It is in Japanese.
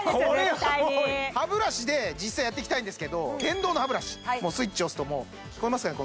絶対に歯ブラシで実際やっていきたいんですけど電動の歯ブラシスイッチ押すともう聞こえますかね